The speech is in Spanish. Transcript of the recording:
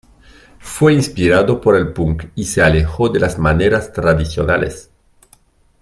Fue inspirado por el punk, y se alejó de las maneras tradicionales.